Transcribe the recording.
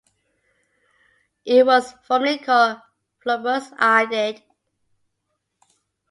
It was formerly called plumbous iodide.